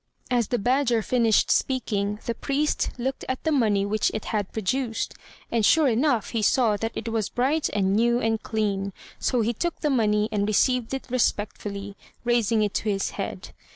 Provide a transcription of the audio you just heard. As the badger finished speaking, the priest looked at the money which it had produced, and sure enough he saw that it was bright and new and clean; so he took the money, and received it respectfully, raising it to his head.